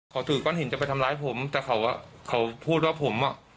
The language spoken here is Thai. เขาถือก้อนหินจะไปทำร้ายผมแต่เขาอ่ะเขาพูดว่าผมอ่ะ